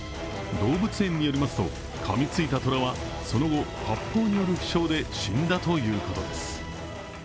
動物園によりますと、噛みついた虎はその後、発砲による負傷で死んだということです。